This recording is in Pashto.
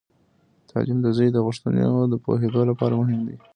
تعلیم د زوی د غوښتنو د پوهیدو لپاره مهم دی.